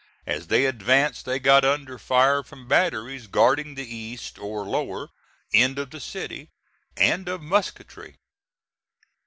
As they advanced they got under fire from batteries guarding the east, or lower, end of the city, and of musketry.